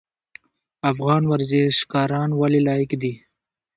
افغان ورزشکاران ولې لایق دي؟